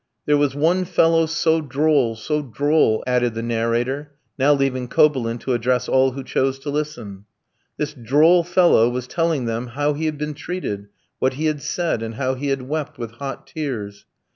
"There was one fellow so droll, so droll," added the narrator, now leaving Kobylin to address all who chose to listen. "This droll fellow was telling them how he had been tried, what he had said, and how he had wept with hot tears.